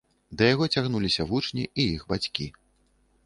Да яго цягнуліся вучні і іх бацькі.